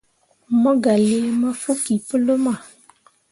Mo gah lii mafokki pu luma.